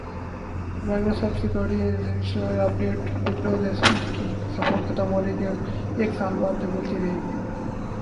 Microsoft security essential کی updates Windows XP پی کی سپورٹ ختم ہونے کے ایک سال بعد تک ملتی رہیں گی